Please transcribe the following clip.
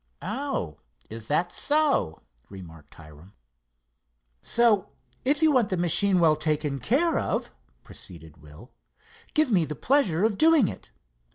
"Oh, is that so?" remarked Hiram. "So, if you want the machine well taken care of," proceeded Will, "give me the pleasure of doing it.